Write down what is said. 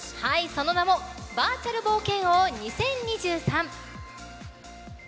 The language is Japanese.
その名もバーチャル冒険王２０２３。